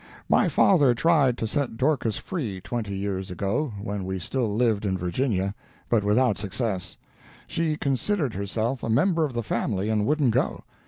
My father tried to set Dorcas free twenty years ago, when we still lived in Virginia, but without success; she considered herself a member of the family, and wouldn't go.